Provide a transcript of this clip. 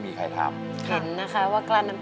เปลี่ยนเพลงเพลงเก่งของคุณและข้ามผิดได้๑คำ